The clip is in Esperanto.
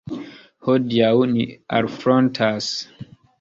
Hodiaŭ ni alfrontas.